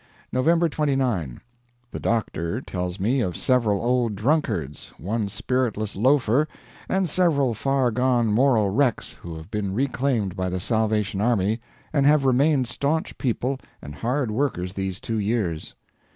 November 29. The doctor tells me of several old drunkards, one spiritless loafer, and several far gone moral wrecks who have been reclaimed by the Salvation Army and have remained staunch people and hard workers these two years.